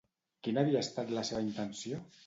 Quina havia estat la seva intenció?